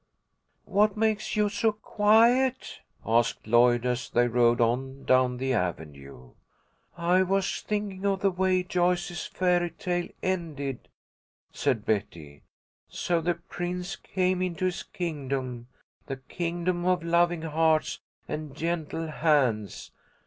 "What makes you so quiet?" asked Lloyd, as they rode on down the avenue. "I was thinking of the way Joyce's fairy tale ended," said Betty. "'So the prince came into his kingdom, the kingdom of loving hearts and gentle hands.'